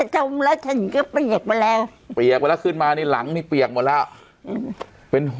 จมแล้วฉันก็เปียกมาแล้วเปียกไปแล้วขึ้นมานี่หลังนี่เปียกหมดแล้วเป็น